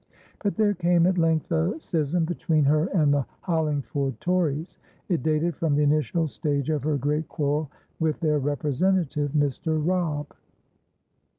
But there came at length a schism between her and the Hollingford Tories: it dated from the initial stage of her great quarrel with their representative Mr. Robb.